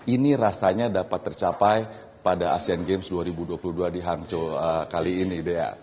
ini rasanya dapat tercapai pada asian games dua ribu dua puluh dua di hangzhou kali ini